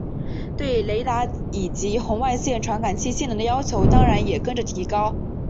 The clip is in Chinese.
对雷达以及红外线传感器性能的要求当然也跟着提高。